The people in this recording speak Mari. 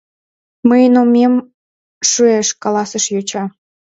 — Мыйын омем шуэш, — каласыш йоча.